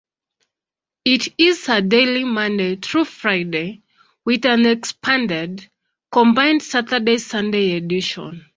It is a daily Monday through Friday, with an expanded, combined Saturday-Sunday edition.